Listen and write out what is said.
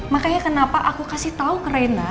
makanya kenapa aku kasih tahu ke rena